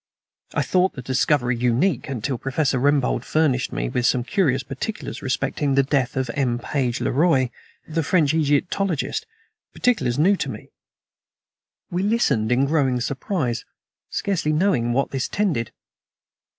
I thought the discovery unique, until Professor Rembold furnished me with some curious particulars respecting the death of M. Page le Roi, the French Egyptologist particulars new to me." We listened in growing surprise, scarcely knowing to what this tended.